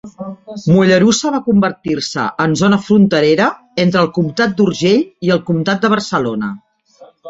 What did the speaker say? Mollerussa va convertir-se en zona fronterera entre el comtat d'Urgell i el Comtat de Barcelona.